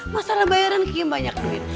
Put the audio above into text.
masalah bayaran kiem banyak duit